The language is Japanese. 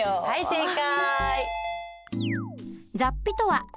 正解！